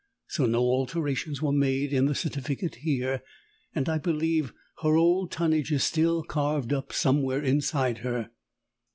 So no alterations were made in the certificate here, and, I believe, her old tonnage is still carved up somewhere inside her."